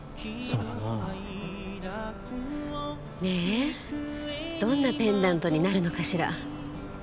ねえどんなペンダントになるのかしら？